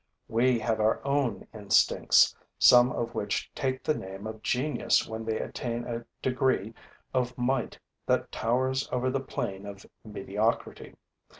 We have our own instincts, some of which take the name of genius when they attain a degree of might that towers over the plain of mediocrity.